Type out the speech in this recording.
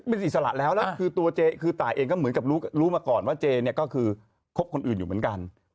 เป็นอิสระแล้วแล้วคือตัวเจคือตายเองก็เหมือนกับรู้มาก่อนว่าเจเนี่ยก็คือคบคนอื่นอยู่เหมือนกัน